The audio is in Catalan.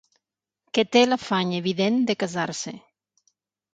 Que té l'afany evident de casar-se.